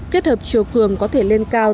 kết hợp chiều cường có thể lên cao